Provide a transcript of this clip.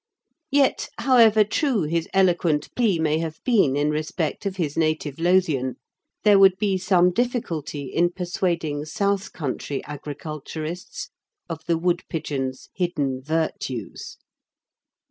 Yet, however true his eloquent plea may have been in respect of his native Lothian, there would be some difficulty in persuading South Country agriculturists of the woodpigeon's hidden virtues.